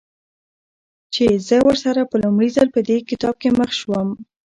چې زه ورسره په لومړي ځل په دې کتاب کې مخ شوم.